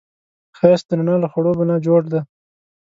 ښایست د رڼا له خړوبو نه جوړ دی